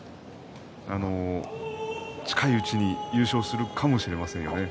近いうちに優勝するかもしれませんよね